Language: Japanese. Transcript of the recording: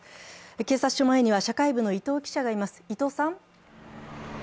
警察署前には社会部の伊東記者がいます。